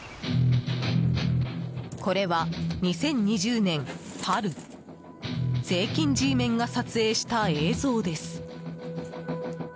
これは２０２０年春税金Ｇメンが撮影した映像です。